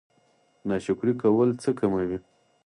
ناشکري کول څه کموي؟